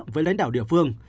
với lãnh đạo địa phương